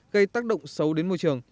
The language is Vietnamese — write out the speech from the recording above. gây tác động xấu đến môi trường